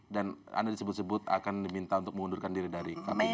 anda disebut sebut akan diminta untuk mengundurkan diri dari kpk